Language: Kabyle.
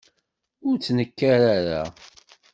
Ur ttnekkar ara.